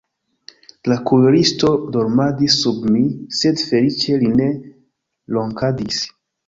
La kuiristo dormadis sub mi, sed feliĉe li ne ronkadis.